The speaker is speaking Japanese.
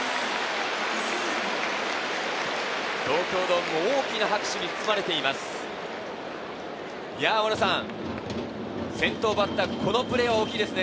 東京ドームも大きな拍手に包まれています。